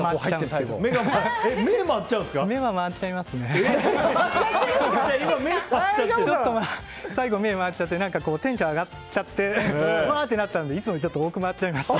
最後目、回っちゃってテンション上がっちゃってわーってなったのでいつもより多く回っちゃいました。